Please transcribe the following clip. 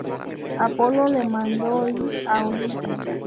Apolo le mandó ir a Olimpia.